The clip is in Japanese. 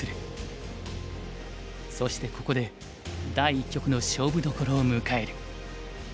そしてここで第一局の勝負どころを迎える。